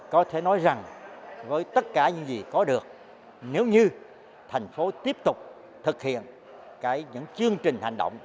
có thể nói rằng với tất cả những gì có được nếu như thành phố tiếp tục thực hiện những chương trình hành động